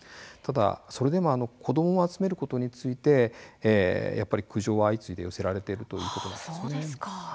それでも子どもを集めることについて苦情は相次いで寄せられているということです。